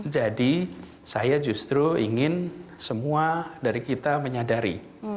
jadi saya justru ingin semua dari kita menyadari